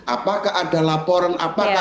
apakah ada laporan apakah